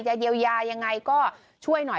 เยียวยายังไงก็ช่วยหน่อย